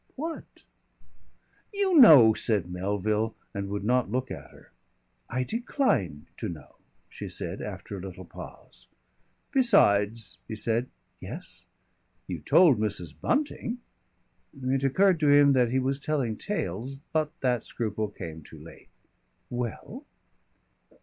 "What?" "You know," said Melville, and would not look at her. "I decline to know," she said after a little pause. "Besides " he said. "Yes?" "You told Mrs. Bunting " It occurred to him that he was telling tales, but that scruple came too late. "Well?"